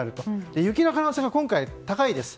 雪の可能性が今回、高いです。